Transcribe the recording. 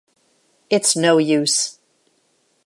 It’s no use.